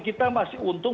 kita masih untung